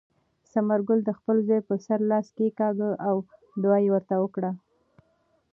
ثمرګل د خپل زوی په سر لاس کېکاږه او دعا یې ورته وکړه.